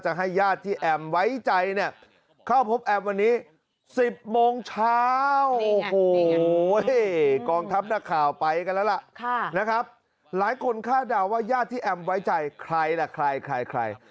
หลายคนฆ่าดาว่าญาติที่แอมไว้ใจใครแหละใครใคร